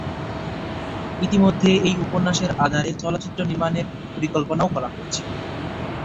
ইতিমধ্যে এই উপন্যাসের আধারে চলচ্চিত্র নির্মানের পরিকল্পনাও করা হয়েছে।